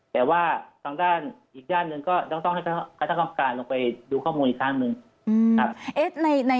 แต่ว่าทางด้านอีกด้านหนึ่งก็ต้องให้คณะกรรมการลงไปดูข้อมูลอีกครั้งหนึ่งครับ